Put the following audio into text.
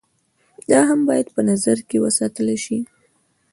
دا هم بايد په نظر کښې وساتلے شي